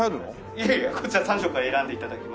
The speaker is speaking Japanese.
いやいやこちら３色から選んで頂きます。